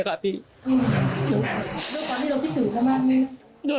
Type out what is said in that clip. โดยความที่เราคิดถึงประมาณนี้